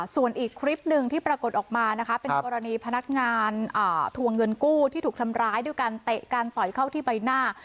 ส่วนอีกคลิปหนึ่งที่ปรากฏออกมานะคะเป็นกรณีพนักงานทวงเงินกู้ที่ถูกทำร้ายด้วยการเตะการต่อยเข้าที่ใบหน้า